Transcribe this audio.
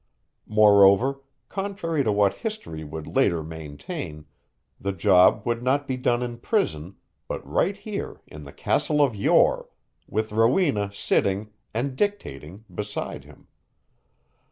Moreover, contrary to what history would later maintain, the job would not be done in prison, but right here in the "castle of Yore" with Rowena sitting and dictating beside him.